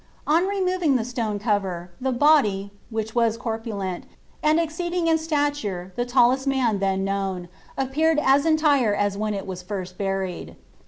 * On removing the stone cover, the body, which was corpulent, and exceeding in stature the tallest man then known, appeared as entire t> when it was first buried.